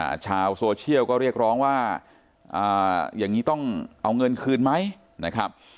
ชาวโซเชียลก็เรียกร้องว่าอ่าอย่างงี้ต้องเอาเงินคืนไหมนะครับ